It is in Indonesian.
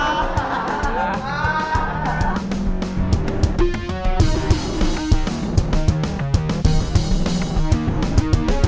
yang dihukum yang baper